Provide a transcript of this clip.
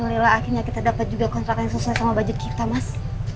alhamdulillah akhirnya kita dapat juga kontrak yang sesuai sama budget kita mas